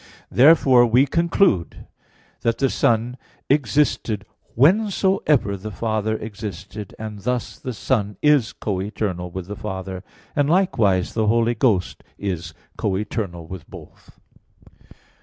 Therefore we conclude that the Son existed whensoever the Father existed and thus the Son is co eternal with the Father, and likewise the Holy Ghost is co eternal with both.